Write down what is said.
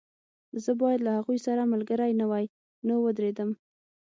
زه باید له هغوی سره ملګری نه وای نو ودرېدم